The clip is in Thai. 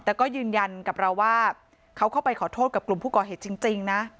แต่ก็ยืนยันกับเราว่าเขาเข้าไปขอโทษกับกลุ่มผู้ก่อเหตุจริงนะ